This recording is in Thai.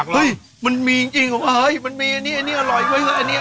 เฮ้ยมันมีจริงเห้ยมันมีอันนี้อันนี้อร่อยอันนี้